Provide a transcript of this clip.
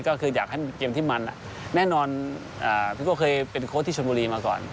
ก็คืออยากให้เกมที่มันแน่นอนพี่โก้เคยเป็นโค้ชที่ชนบุรีมาก่อน